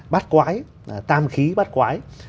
bát quái tam khí bát quái